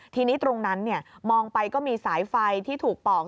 ทีนี้ตรงนั้นมองไปก็มีสายไฟที่ถูกปอก